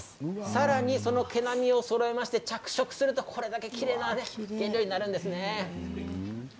さらにその毛並みを着色するとこれだけきれいな色になるんですね。